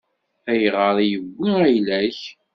Ayɣer i yewwi ayla-k?